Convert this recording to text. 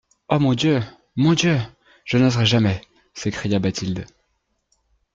Ô mon Dieu ! mon Dieu ! je n'oserai jamais ! s'écria Bathilde.